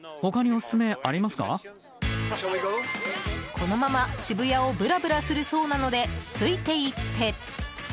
このまま渋谷をブラブラするそうなのでついていって。